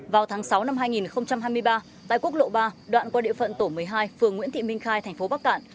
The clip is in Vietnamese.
vào tháng sáu năm hai nghìn hai mươi ba tại quốc lộ ba đoạn qua địa phận tổ một mươi hai phường nguyễn thị minh khai thành phố bắc cạn